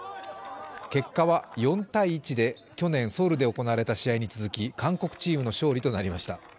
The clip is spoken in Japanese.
結果は４−１で去年ソウルで行われた試合に続き韓国チームの勝利となりました。